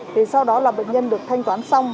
thì sau đó là bệnh nhân được thanh toán xong